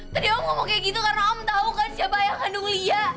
tadi om ngomong kayak gitu karena om tahu kan siapa yang handung liliah